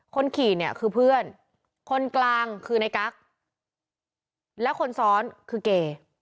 คนขี่เนี่ยคือเพื่อนคนกลางคือในกั๊กและคนซ้อนคือเก